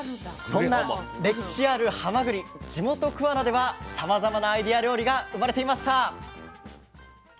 そんな歴史あるはまぐり地元桑名ではさまざまなアイデア料理が生まれていました。